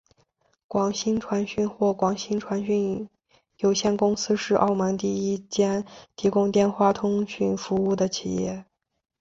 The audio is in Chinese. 广星传讯或广星传讯有限公司是澳门第一间提供电话通讯服务的企业。